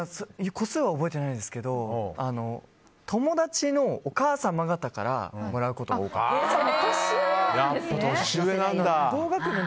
個数は覚えてないですけど友達のお母様方からもらうことは多かったです。